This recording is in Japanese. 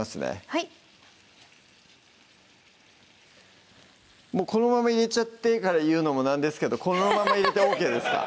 はいこのまま入れちゃってから言うのもなんですけどこのまま入れてＯＫですか